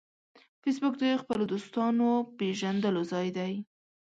فېسبوک د خپلو دوستانو پېژندلو ځای دی